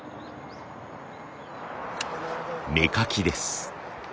芽かきです。